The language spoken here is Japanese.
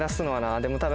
でも多分。